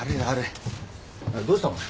どうしたの？